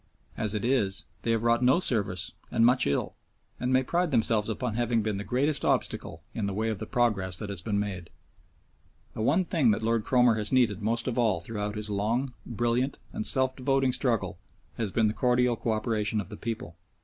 As it is they have wrought no service and much ill, and may pride themselves upon having been the greatest obstacle in the way of the progress that has been made. The one thing that Lord Cromer has needed most of all throughout his long, brilliant, and self devoting struggle has been the cordial co operation of the people.